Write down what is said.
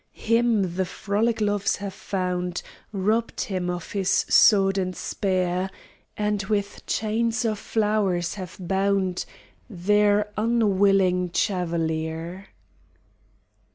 Him the frolic loves have found, Robbed him of his sword and spear, And with chains of flowers have bound Their unwilling chevalier.